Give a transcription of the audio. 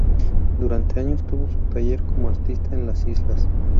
Durante años tuvo su taller como artista en las islas.